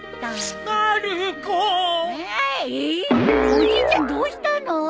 おじいちゃんどうしたの！？